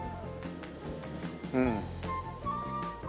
うん。